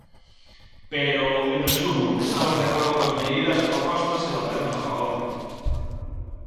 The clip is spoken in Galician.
Pero, en resumo, estamos de acordo coas medidas propostas e votaremos a favor.